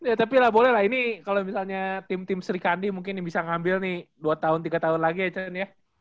ya tapi lah boleh lah ini kalau misalnya tim tim sri kandi mungkin yang bisa ngambil nih dua tahun tiga tahun lagi ya channe ya